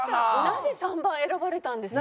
なぜ３番を選ばれたんですか？